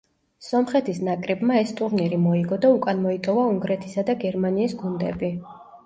სომხეთის ნაკრებმა ეს ტურნირი მოიგო და უკან მოიტოვა უნგრეთისა და გერმანიის გუნდები.